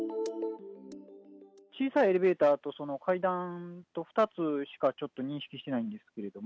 小さいエレベーターと階段と、２つしかちょっと認識してないんですけども。